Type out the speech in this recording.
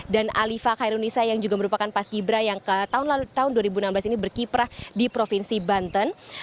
dan alifah khairul nisa yang juga merupakan pas kiprah yang ke tahun dua ribu enam belas ini berkiprah di provinsi banten